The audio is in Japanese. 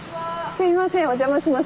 すいませんお邪魔します。